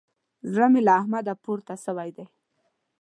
زړه مې له احمده پورته سوی دی.